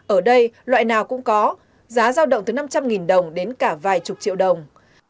ở đây loại nào cũng có giá giao động từ năm trăm linh đồng đến cả vài chục triệu đồng